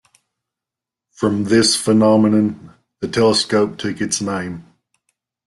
From this phenomenon the telescope took its name.